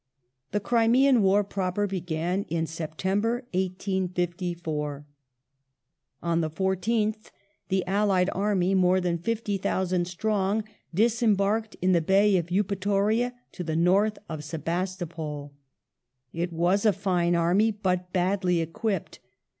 The Crimean War proper began in September, 1854 On the The 14th the allied ai'my, more than 50,000 strong, disembarked in the Bay of Eupatoria to the north of Sebastopol. It was a fine army, but badly equipped.